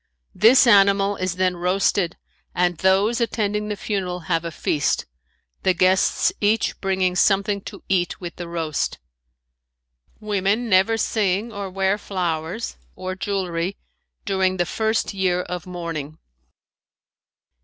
This animal is then roasted and those attending the funeral have a feast, the guests each bringing something to eat with the roast. Women never sing or wear flowers or jewelry during the first year of mourning.